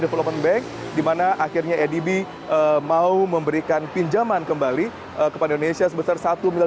development bank dimana akhirnya adb mau memberikan pinjaman kembali kepada indonesia sebesar satu miliar